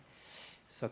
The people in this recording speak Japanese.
さあ